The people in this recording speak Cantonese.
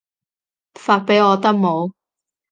發畀我得冇